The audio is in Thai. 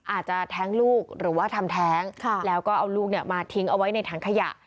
อาจจะแท้งลูกหรือว่าทำแท้งแล้วก็เอาลูกมาทิ้งเอาไว้ในถังขยะ